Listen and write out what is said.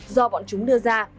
do bọn chúng đưa ra